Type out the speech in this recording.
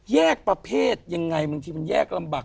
แยกประเภทยังไงบางทีมันแยกลำบาก